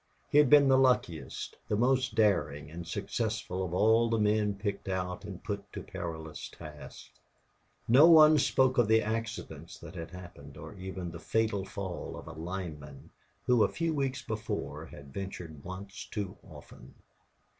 He had been the luckiest, the most daring and successful of all the men picked out and put to perilous tasks. No one spoke of the accidents that had happened, or even the fatal fall of a lineman who a few weeks before had ventured once too often.